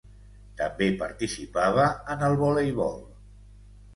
També participava en el voleibol.